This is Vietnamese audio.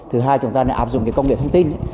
thứ hai chúng ta nên áp dụng cái công nghệ thông tin